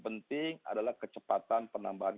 penting adalah kecepatan penambahan